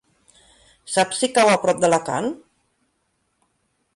Saps si cau a prop d'Alacant?